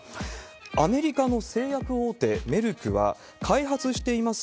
アメリカの製薬大手、メルクは、開発しています